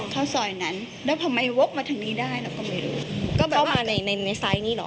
เข้ามาในไซส์นี้หรอ